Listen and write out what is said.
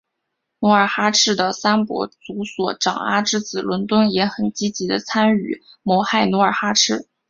努尔哈赤的三伯祖索长阿之子龙敦也很积极地参与谋害努尔哈赤。